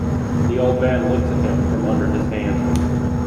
The old man looks at him from under his hand.